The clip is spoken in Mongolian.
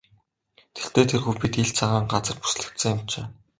Тэртэй тэргүй бид ил цагаан газар бүслэгдсэн юм чинь.